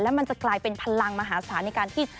มันจะกลายเป็นพลังมหาศาลในการที่